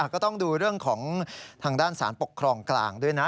ก็ต้องดูเรื่องของทางด้านสารปกครองกลางด้วยนะ